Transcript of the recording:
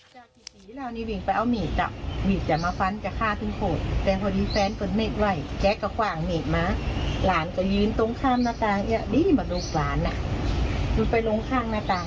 จะไปหลบตรงไหนเพราะละออนมันก็ว่าหัว